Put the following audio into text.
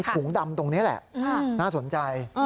ถุงดำตรงนี้แหละน่าสนใจ